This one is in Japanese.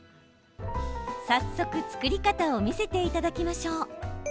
早速、作り方を見せていただきましょう。